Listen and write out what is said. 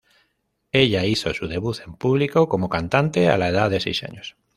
Ella hizo su debut en público como cantante a la edad de seis años.